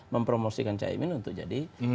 mempromosikan caimin untuk jadi